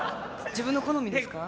自分の好みですか？